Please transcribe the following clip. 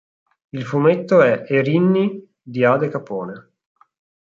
Il fumetto è Erinni di Ade Capone.